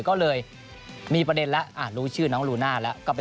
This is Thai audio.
ก็เลยมีประเด็นแล้วรู้ชื่อน้องลูน่าแล้วก็ไป